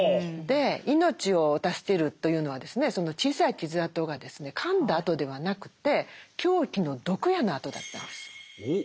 命を助けるというのはですねその小さい傷あとがですねかんだあとではなくて凶器の毒矢のあとだったんです。